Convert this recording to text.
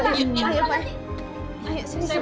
uya ini adain pak